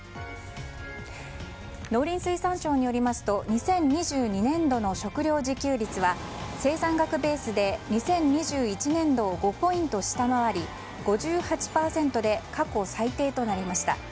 農林水産省によりますと２０２２年度の食料自給率は生産額ベースで２０２１年度を５ポイント下回り５８％で過去最低となりました。